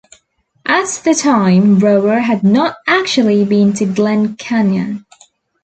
At the time, Brower had not actually been to Glen Canyon.